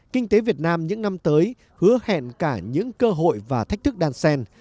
kinh tế việt nam những năm tới hứa hẹn cả những cơ hội và thách thức đan sen